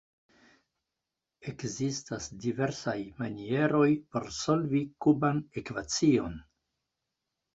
Ekzistas diversaj manieroj por solvi kuban ekvacion.